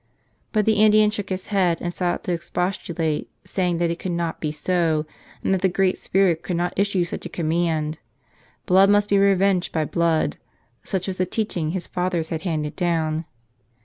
But the Indian shook his head and sought to expostulate, saying that it could not be so and that the Great Spirit could not issue such a command. Blood must be revenged by blood: such was the teaching his fathers had handed down.